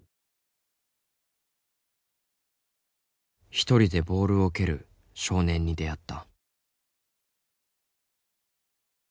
一人でボールを蹴る少年に出会った。